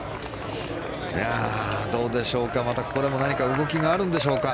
どうでしょうか、またここでも何か動きがあるんでしょうか。